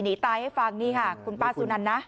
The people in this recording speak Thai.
หนีตายให้ฟังนี่ค่ะคุณป้าสุนันนะ